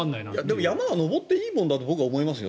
でも山は登っていいものだと僕は思いますよ。